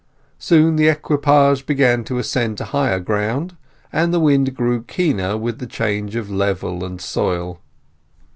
Soon the equipage began to ascend to higher ground, and the wind grew keener with the change of level and soil.